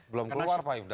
belum keluar pak yudha